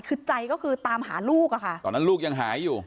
คือใจก็คือตามหาลูกอะค่ะตอนนั้นลูกยังหายอยู่